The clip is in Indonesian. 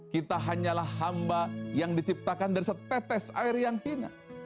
kita hanyalah hamba yang diciptakan dari setetes air yang hina